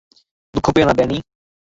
দুঃখ পেয়ো না, ড্যানি।